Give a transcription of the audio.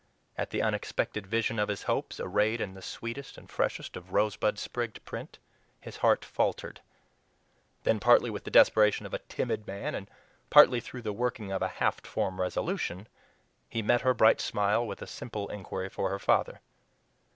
At the unexpected vision of his hopes, arrayed in the sweetest and freshest of rosebud sprigged print, his heart faltered. Then, partly with the desperation of a timid man, and partly through the working of a half formed resolution, he met her bright smile with a simple inquiry for her father.